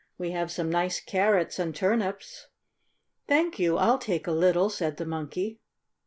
We have some nice carrots and turnips." "Thank you, I'll take a little," said the Monkey.